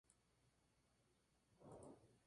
Han sido traducidas y esperan ser publicadas.